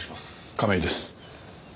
亀井です。